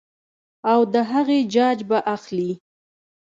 او د هغې جاج به اخلي -